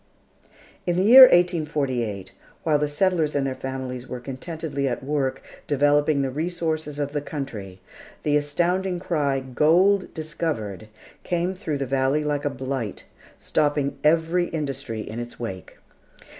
In the year 1848, while the settlers and their families were contentedly at work developing the resources of the country, the astounding cry, "Gold discovered!" came through the valley like a blight, stopping every industry in its wake.